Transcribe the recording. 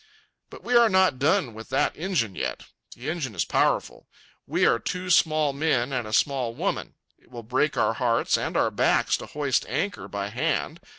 But we are not done with that engine yet. The engine is powerful. We are two small men and a small woman. It will break our hearts and our backs to hoist anchor by hand.